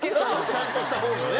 ちゃんとした方のね。